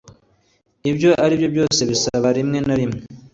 ibyo aribyo byose bisaba rimwe na rimwe